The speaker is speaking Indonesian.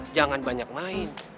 jangan banyak main